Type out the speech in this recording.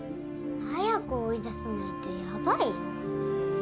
早く追い出さないとやばいよ。